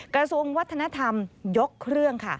กระทรวงวัฒนธรรมยกเครื่องค่ะ